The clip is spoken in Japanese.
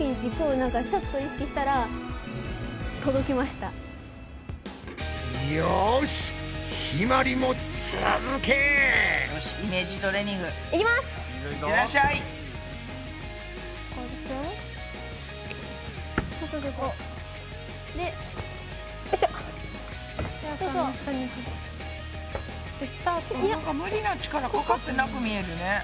なんか無理な力かかってなく見えるね。